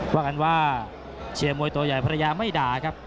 ว่ากันว่าเชียร์มวยตัวใหญ่ภรรยาไม่ด่าครับ